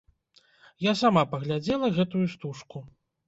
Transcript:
Я сама паглядзела гэтую стужку.